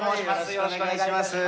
よろしくお願いします。